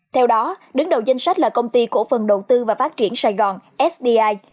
theo đó đứng đầu danh sách là công ty cổ phần đầu tư và phát triển sài gòn sdi